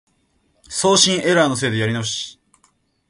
送信エラーのせいでやり直し